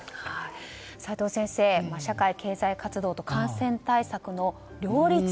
齋藤先生、社会経済活動と感染対策の両立